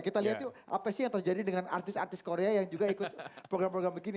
kita lihat tuh apa sih yang terjadi dengan artis artis korea yang juga ikut program program begini